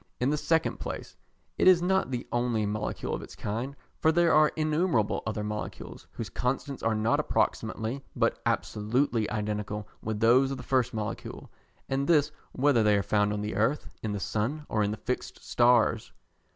In the second place it is not the only molecule of its kind, for there are innumerable other molecules, whose constants are not approximately, but absolutely identical with those of the first molecule, and this whether they are found on the earth, in the sun, or in the fixed stars.